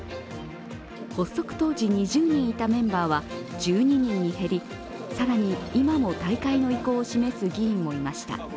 発足当時２０人いたメンバーは１２人に減り更に今も退会の意向を示す議員もいました。